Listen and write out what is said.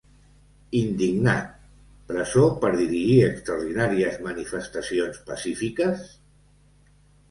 Indignat: presó per dirigir extraordinàries manifestacions pacífiques?